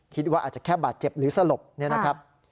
คิดว่าอาจจะแค่บาดเจ็บหรือสลบเนี่ยนะครับ